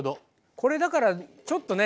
これだからちょっとね